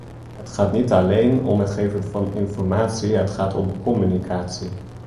Het gaat niet alleen om het geven van informatie, het gaat om communicatie.